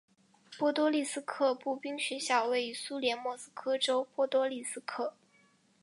波多利斯克步兵学校位于苏联莫斯科州波多利斯克。